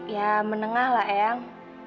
ya menengah lah ayang